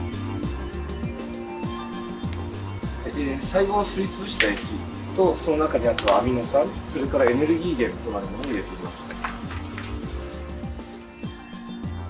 細胞をすり潰した液とその中にあとアミノ酸それからエネルギー源となるものを入れています。